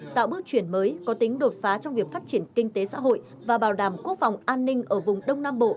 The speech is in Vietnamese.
tạo bước chuyển mới có tính đột phá trong việc phát triển kinh tế xã hội và bảo đảm quốc phòng an ninh ở vùng đông nam bộ